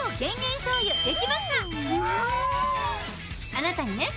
あなたにね